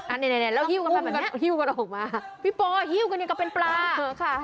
อันนี้แล้วหิ้วกันแบบนี้หิ้วกันออกมาพี่ปอร์หิ้วกันอย่างกับเป็นปลา